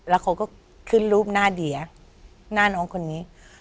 แล้วเขาก็ขึ้นรูปหน้าเดียหน้าน้องคนนี้